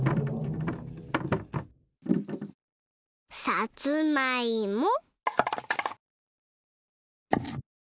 さつまいも。